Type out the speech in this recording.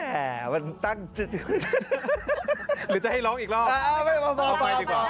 หรือจะให้ร้องอีกรอบ